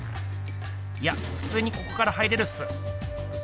いやふつにここから入れるっす。